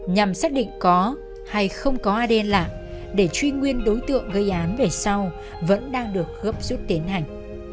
nhằm xác định có hay không có ad lạ để truy nguyên đối tượng gây án về sau vẫn đang được gấp rút tiến hành